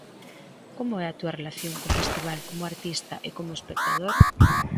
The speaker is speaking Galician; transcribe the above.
Como é a túa relación co festival, como artista e como espectador?